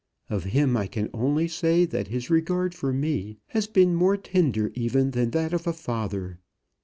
Of him I can only say, that his regard for me has been more tender even than that of a father.